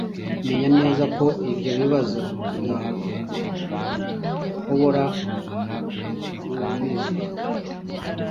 Menya neza ko ibyo bibazo bidahobora guubizwa